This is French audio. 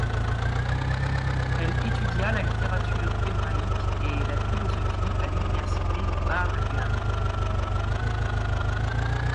Elle étudia la littérature hébraïque et la philosophie à l'université Bar-Ilan.